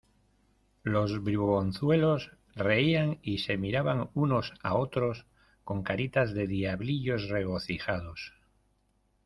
Los bribonzuelos reían y se miraban unos a otros con caritas de diablillos regocijados.